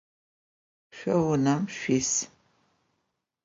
Şso vunem şsuis?